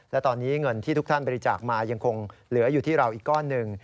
และตอนนี้เงินที่ทุกท่านบริจาคมายังคงเหลืออยู่ที่เราอีกก้อนหนึ่ง